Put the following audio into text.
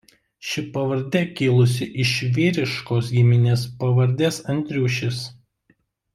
Ši pavardė kilusi iš vyriškos giminės pavardės Andriušis.